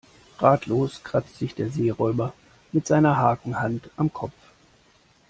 Ratlos kratzt sich der Seeräuber mit seiner Hakenhand am Kopf.